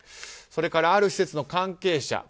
それから、ある施設の関係者。